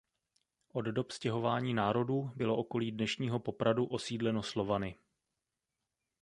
Od dob stěhování národů bylo okolí dnešního Popradu osídleno Slovany.